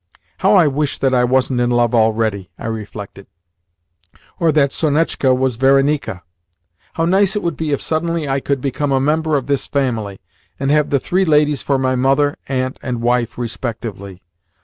"How I wish that I wasn't in love already!" I reflected, "or that Sonetchka was Varenika! How nice it would be if suddenly I could become a member of this family, and have the three ladies for my mother, aunt, and wife respectively!"